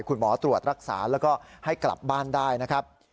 คุณหมอตรวจรักษาแล้วก็ให้กลับบ้านได้นะครับ